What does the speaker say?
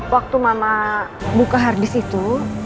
waktu mama buka harddisk itu